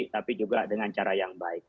tapi juga dengan cara yang baik